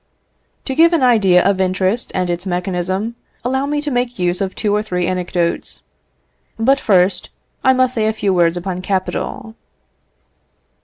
To give an idea of interest and its mechanism, allow me to make use of two or three anecdotes. But, first, I must say a few words upon capital.